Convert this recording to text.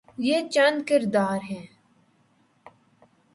یہ چند کردار ہیں۔